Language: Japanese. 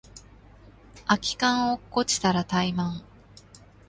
空き缶落っこちたらタイマン